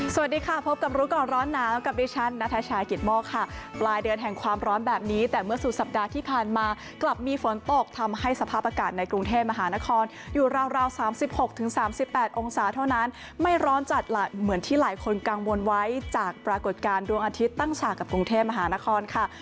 สวัสดีค่ะพบกับรู้ก่อนร้อนหนาวกับดิฉันนัทชายกิตโมกค่ะปลายเดือนแห่งความร้อนแบบนี้แต่เมื่อสุดสัปดาห์ที่ผ่านมากลับมีฝนตกทำให้สภาพอากาศในกรุงเทพมหานครอยู่ราว๓๖๓๘องศาเท่านั้นไม่ร้อนจัดเหมือนที่หลายคนกังวลไว้จากปรากฏการณ์ดวงอาทิตย์ตั้งฉากกับกรุงเทพมหานครค่ะ